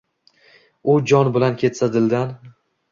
U jon bilan ketsa dildan